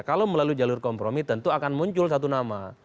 kalau melalui jalur kompromi tentu akan muncul satu nama